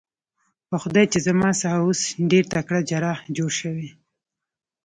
په خدای چې زما څخه اوس ډېر تکړه جراح جوړ شوی.